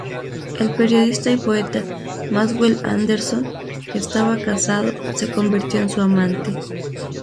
El periodista y poeta Maxwell Anderson, que estaba casado, se convirtió en su amante.